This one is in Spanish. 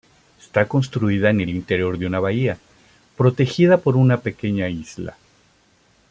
Está construida en el interior de una bahía, protegida por una pequeña isla.